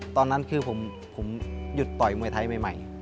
ตอนนั้นคือผมหยุดต่อยมวยไทยใหม่